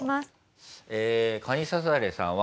カニササレさんは。